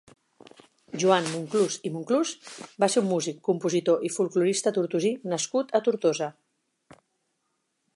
Joan Monclús i Monclús va ser un músic, compositor i folklorista tortosí nascut a Tortosa.